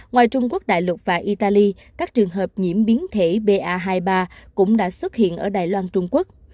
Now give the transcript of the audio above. ngoài trung quốc đại lục và italy các trường hợp nhiễm biến thể ba hai mươi ba cũng đã xuất hiện ở đài loan trung quốc